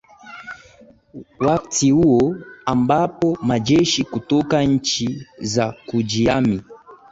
wakti huo ambapo majeshi kutoka nchi za kujihami